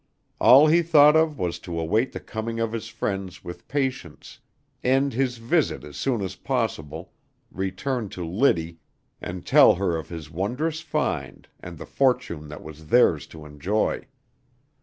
All he thought of was to await the coming of his friends with patience; end his visit as soon as possible; return to Liddy, and tell her of his wondrous find, and the fortune that was theirs to enjoy.